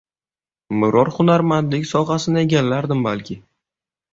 Biror hunarmandlik sohasini egallardim balki.